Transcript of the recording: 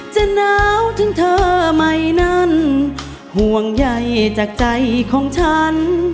จะหนาวถึงเธอไหมนั้นห่วงใยจากใจของฉัน